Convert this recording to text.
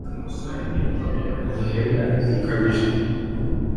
ubuhemu bukabije